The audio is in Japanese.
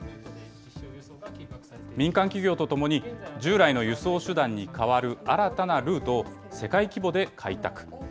民間企業とともに、従来の輸送手段に替わる新たなルートを世界規模で開拓。